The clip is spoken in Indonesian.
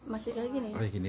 masih kayak gini